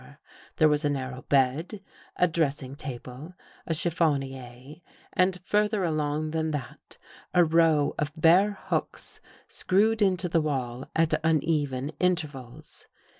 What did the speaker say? There was a narrow bed, a dressing table, a chif fonier, and further along than that, a row of bare hooks screwed into the wall at uneven intervals.